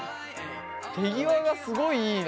手際がすごいいいな。